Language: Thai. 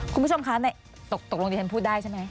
คุณผู้ชมคะตกลงที่ฉันพูดได้ใช่ไหม